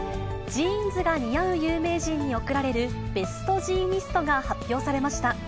ジーンズが似合う有名人に贈られるベストジーニストが発表されました。